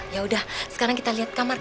yaudah sekarang kita liat kamar kamu